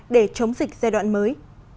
để chống dịch giai đoạn mới